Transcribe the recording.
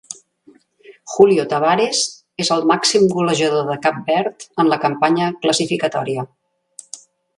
Julio Tavares és el màxim golejador de Cap Verd en la campanya classificatòria.